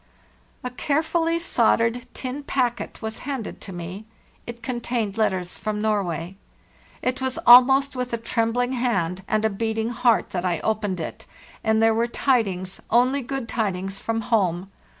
|" A carefully soldered tin packet was handed to me; it contained letters from Norway. It was almost with a trembling hand and a beating heart that I opened it; and there were tidings, only good tidings, from home.